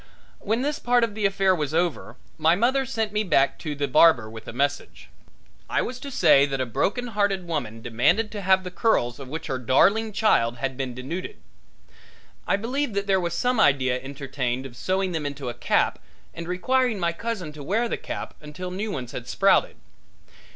When this part of the affair was over my mother sent me back to the barber with a message. I was to say that a heart broken woman demanded to have the curls of which her darling child had been denuded. I believe that there was some idea entertained of sewing them into a cap and requiring my cousin to wear the cap until new ones had sprouted.